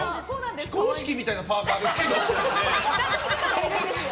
非公式みたいなパーカですけど。